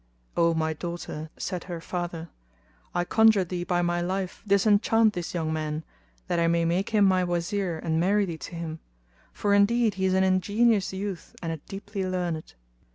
"O my daughter," said her father, "I conjure thee, by my life, disenchant this young man, that I may make him my Wazir and marry thee to him, for indeed he is an ingenious youth and a deeply learned."